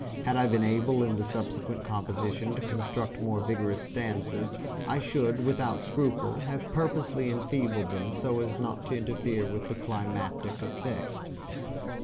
Had I been able in the subsequent composition to construct more vigorous stanzas I should without scruple have purposely enfeebled them so as not to interfere with the climacteric effect.